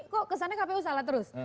kok kesannya kpu salah terus